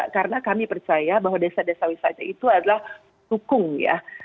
karena kami percaya bahwa desa desa wisata itu adalah dukung ya